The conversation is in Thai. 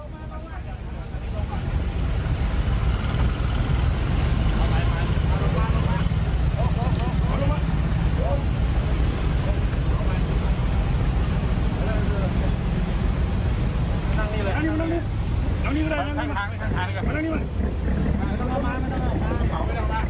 กางมันต้องออกมา